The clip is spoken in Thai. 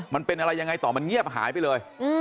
มันเป็นอะไรยังไงต่อมันเงียบหายไปเลย